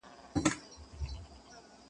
چيري که خوړلی د غلیم پر کور نمګ وي یار,